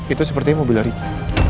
itu sepertinya mobilnya ricky